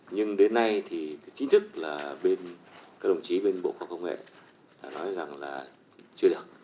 nhưng đến nay thì chính thức là bên các đồng chí bên bộ học công nghệ đã nói rằng là chưa được